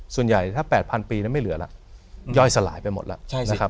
ส่วนใหญ่ถ้า๘๐๐ปีไม่เหลือแล้วย่อยสลายไปหมดแล้วนะครับ